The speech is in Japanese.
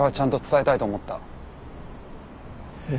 え？